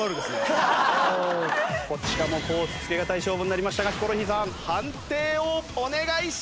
こちらも甲乙付けがたい勝負になりましたがヒコロヒーさん判定をお願いします！